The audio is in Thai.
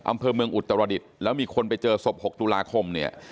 อำเภอเมืองอุตรดิษฐ์แล้วมีคนไปเจอศพ๖ตุลาคมเนี่ย